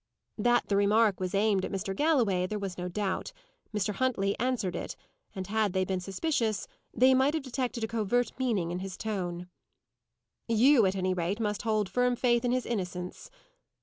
That the remark was aimed at Mr. Galloway, there was no doubt. Mr. Huntley answered it; and, had they been suspicious, they might have detected a covert meaning in his tone. "You, at any rate, must hold firm faith in his innocence."